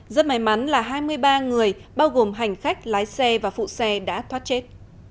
rất may mắn là hai mươi ba người bao gồm hành khách lái xe và phụ xe đã thoát chết